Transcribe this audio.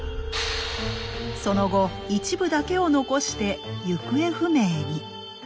その後一部だけを残して行方不明に。